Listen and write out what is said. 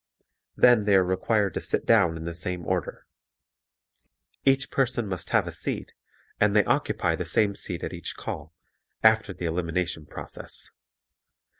Then they are required to sit down in the same order. Each person must have a seat and they occupy the same seat at each call, after the elimination process.